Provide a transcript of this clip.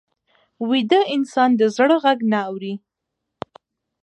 ویده انسان د زړه غږ نه اوري